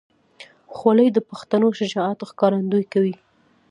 خولۍ د پښتنو شجاعت ښکارندویي کوي.